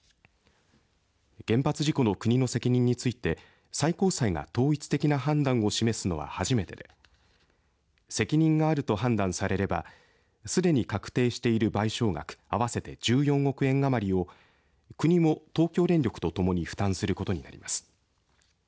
原発事故の国の責任について最高裁が統一的な判断を示すのは初めてで責任があると判断されればすでに確定している賠償額合わせて１４億円余りを国も東京電力とともに負担することになります。